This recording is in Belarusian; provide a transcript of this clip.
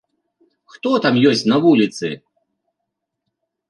Хто там ёсць на вуліцы?